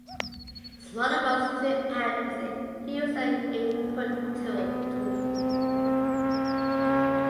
Smaller ones usually act as a user-input tool.